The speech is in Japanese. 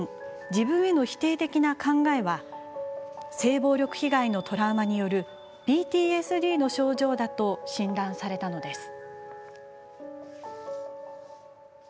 自分への否定的な考えは性暴力被害のトラウマによるＰＴＳＤの症状だと診断されたのです。